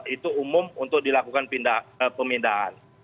itu umum untuk dilakukan pemindahan